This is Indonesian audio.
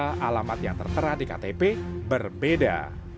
selamat yang tertera di ktp berbeda